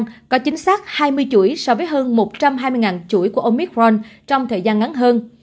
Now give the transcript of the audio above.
nó có chính xác hai mươi chuỗi so với hơn một trăm hai mươi chuỗi của omicron trong thời gian ngắn hơn